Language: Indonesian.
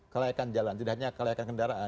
kelayakan jalan tidak hanya kelayakan kendaraan